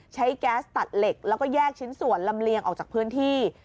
แก๊สตัดเหล็กแล้วก็แยกชิ้นส่วนลำเลียงออกจากพื้นที่